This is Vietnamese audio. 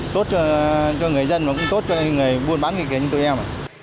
tốt cho người dân và cũng tốt cho người buôn bán kỳ kỳ như tụi em